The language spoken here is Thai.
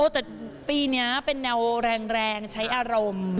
แต่ปีนี้เป็นแนวแรงใช้อารมณ์